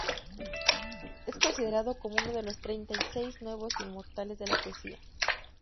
Es considerado como uno de los treinta y seis nuevos inmortales de la poesía.